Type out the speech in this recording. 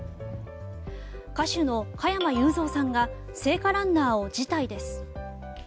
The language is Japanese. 歌手の加山雄三さんが聖火ランナーを辞退です。